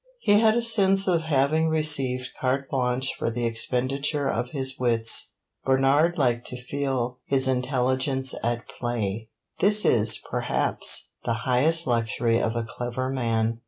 He had a sense of having received carte blanche for the expenditure of his wits. Bernard liked to feel his intelligence at play; this is, perhaps, the highest luxury of a clever man.